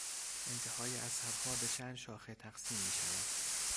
انتهای عصبها به چند شاخه تقسیم میشود.